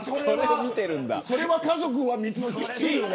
それは家族はきついよね。